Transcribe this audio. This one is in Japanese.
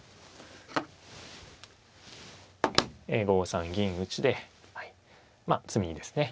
５三銀打でまあ詰みですね。